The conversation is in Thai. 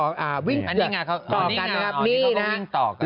อย่างนี้ค่ะต่อกันนะครับ